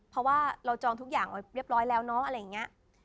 เพราะว่าเราจองทุกอย่างเรียบร้อยแล้วเนาะ